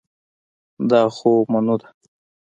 دا خو منو ده